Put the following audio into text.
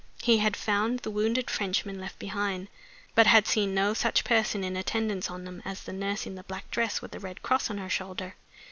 He had found the wounded Frenchmen left behind, but had seen no such person in attendance on them as the nurse in the black dress with the red cross on her shoulder.